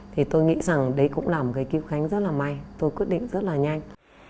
thì tôi nghĩ rằng đấy cũng là một cái cứu khánh rất là may tôi quyết định rất là nhanh